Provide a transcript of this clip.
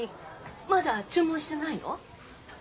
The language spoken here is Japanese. まだ注文してないの？